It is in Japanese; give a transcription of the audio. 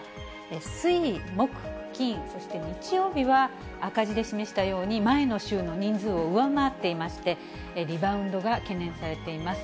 水、木、金、そして日曜日は、赤字で示したように、前の週の人数を上回っていまして、リバウンドが懸念されています。